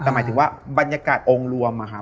แต่หมายถึงว่าบรรยากาศองค์รวม